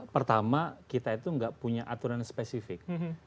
pertama kita itu nggak punya aturan spesifik